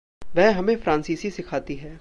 वह हमें फ़्रांसीसी सिखाती है।